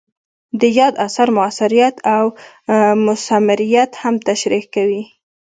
د یاد اثر مؤثریت او مثمریت هم تشریح کوي.